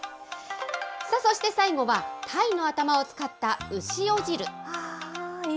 さあ、そして最後はタイの頭を使ったうしお汁。